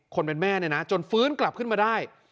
คนแม่จนฟื้นกลับขึ้นมาได้